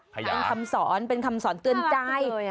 เป็นคำสอนเป็นคำสอนเตือนใจ